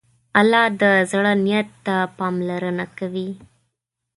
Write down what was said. الله د زړه نیت ته پاملرنه کوي.